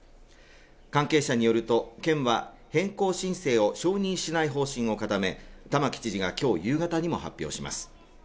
関係者によると県は変更申請を承認しない方針を固め玉城知事がきょう夕方にも発表します